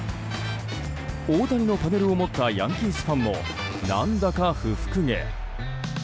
大谷のパネルを持ったヤンキースファンも何だか不服げ。